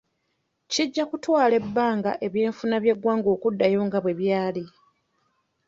Kijja kutwala ebbanga eby'enfuna by'eggwanga okuddayo nga bwe byali.